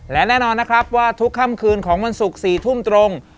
และแน่นอนนะครับว่าทุกค่ำคืนของวันศุกร์๔ทุ่มตรง